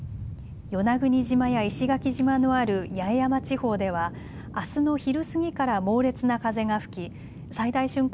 与那国島や石垣島のある八重山地方ではあすの昼過ぎから猛烈な風が吹き最大瞬間